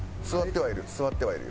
座ってはいる。